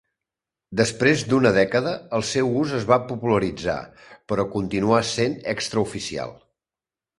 Després d'una dècada, el seu ús es va popularitzar, però continuà sent extraoficial.